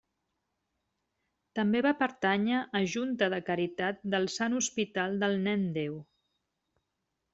També va pertànyer a Junta de caritat del Sant Hospital del Nen Déu.